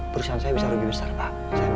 perusahaan saya bisa rugi besar pak